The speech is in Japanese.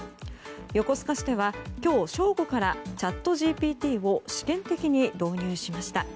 横須賀市では今日正午からチャットＧＰＴを試験的に導入しました。